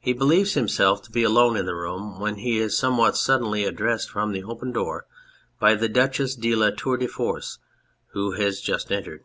He believes him self to be alone in the room, when he is somewhat suddenly addressed from the open door by the Duchess DE LA TOUR DE FORCED who has just entered.